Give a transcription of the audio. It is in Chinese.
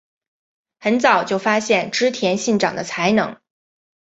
很早就发现织田信长的才能。